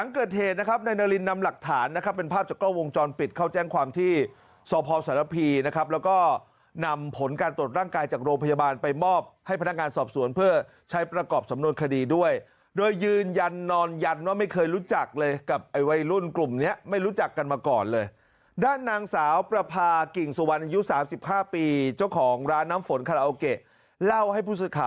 เขาแจ้งความที่สพศพีนะครับแล้วก็นำผลการตรวจร่างกายจากโรงพยาบาลไปมอบให้พนักงานสอบสวนเพื่อใช้ประกอบสำนวนคดีด้วยโดยยืนยันนอนยันว่าไม่เคยรู้จักเลยกับไอ้วัยรุ่นกลุ่มเนี้ยไม่รู้จักกันมาก่อนเลยด้านนางสาวประพากิ่งสวรรค์อายุ๓๕ปีเจ้าของร้านน้ำฝนคาราโอเกะเล่าให้ผู้สึกข